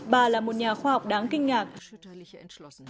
bà là một nhà khoa học đáng kinh ngạc